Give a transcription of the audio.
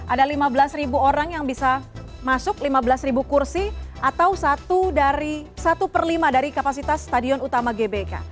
ada lima belas orang yang bisa masuk lima belas kursi atau satu per lima dari kapasitas stadion utama gbk